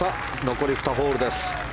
残り２ホールです。